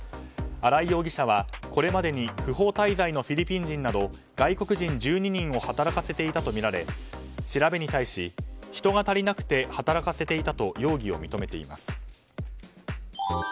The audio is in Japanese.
荒井容疑者は、これまでに不法滞在のフィリピン人など外国人１２人を働かせていたとみられ調べに対し人が足りなくて働かせていたと容疑を認めています。